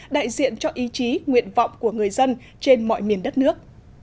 đại diện cho ý chí nguyện vọng của người dân trên mọi miền đất nước